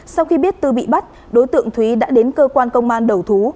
sau khi biết tư bị bắt đối tượng thúy đã đến cơ quan công an đầu thú